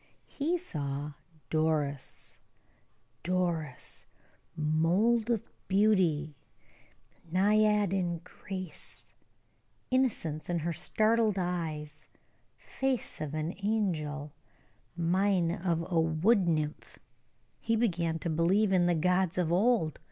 He saw Doris; Doris, mold of beauty; naiad in grace; innocence in her startled eyes; face of an angel; mien of a wood nymph. He began to believe in the gods of old.